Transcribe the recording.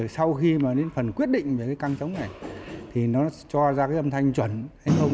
sau khi mà đến phần quyết định về cái căng chống này thì nó cho ra cái âm thanh chuẩn hay không